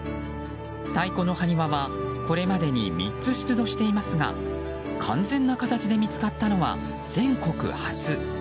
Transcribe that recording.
太鼓の埴輪はこれまでに３つ出土していますが完全な形で見つかったのは全国初。